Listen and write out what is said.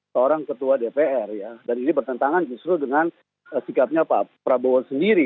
seorang ketua dpr ya dan ini bertentangan justru dengan sikapnya pak prabowo sendiri